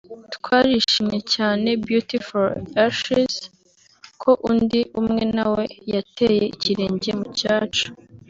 Twarishimye cyane (Beauty For Ashes) ko undi umwe nawe yateye ikirenge mu cyacu